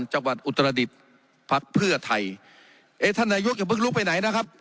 จังหวัดอุตรดิษฐ์ปรัคเพื่อไทยเอท่านนายุกษ์ยังพึกลุกไปไหนนะครับ